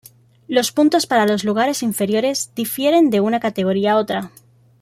Los puntos para los lugares inferiores difieren de una categoría a otra.